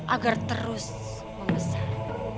agar terus membesar